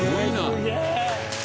すげえ！